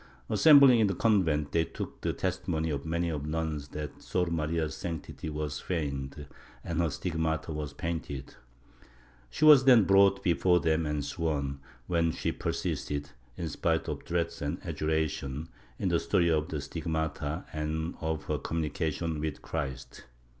Assembling in the convent they took the testimony of many of the nuns that Sor Maria's sanctity was feigned and her stigmata were painted. She was then brought before them and sworn, when she persisted, in spite of threats and adjurations, in the story of the stigmata and of her communications with Christ.